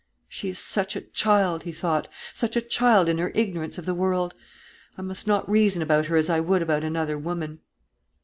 "She is such a child," he thought, "such a child in her ignorance of the world. I must not reason about her as I would about another woman."